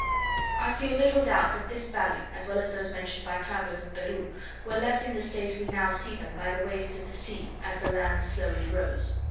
I feel little doubt that this valley, as well as those mentioned by travellers in Peru, were left in the state we now see them by the waves of the sea, as the land slowly rose.